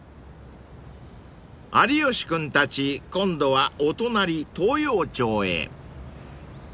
［有吉君たち今度はお隣東陽町へ］